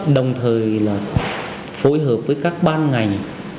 đồng thời là phối hợp với các ban ngành